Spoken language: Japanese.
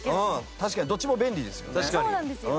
確かにどっちも便利ですよね。